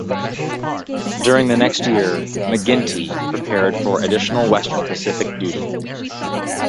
During the next year, "McGinty" prepared for additional western Pacific duty.